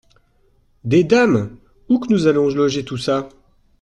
Des dames ! où que nous allons loger tout ça ?